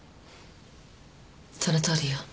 そのとおりよ。